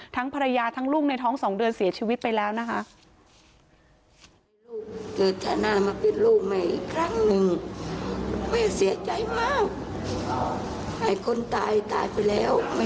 ทั้งภรรยาทั้งลูกในท้อง๒เดือนเสียชีวิตไปแล้วนะคะ